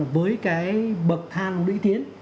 với cái bậc hàng lũy tiến